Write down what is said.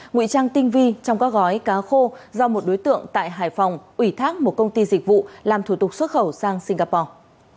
nguy trang tinh vi trong các gói cá khô do một đối tượng tại hải phòng ủy thác một công ty dịch vụ làm thủ tục xuất khẩu sang singapore